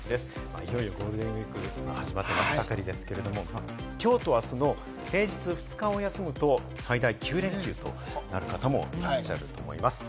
いよいよゴールデンウイークが始まったばかりですけれど、今日と明日の平日２日を休むと、最大９連休となる方もいらっしゃると思います。